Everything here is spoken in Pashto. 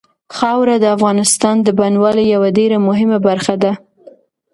خاوره د افغانستان د بڼوالۍ یوه ډېره مهمه برخه ده.